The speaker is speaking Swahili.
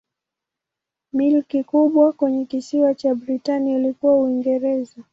Milki kubwa kwenye kisiwa cha Britania ilikuwa Uingereza.